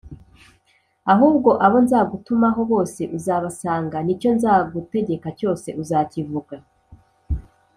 Ahubwo abo nzagutumaho bose uzabasanga n icyo nzagutegeka cyose uzakivuga